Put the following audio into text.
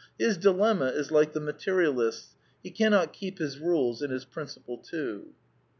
His dilemma is like the Materialist's. He cannot keep his rules and his principle too.